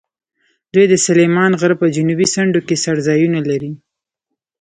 دوی د سلیمان غره په جنوبي څنډو کې څړځایونه لري.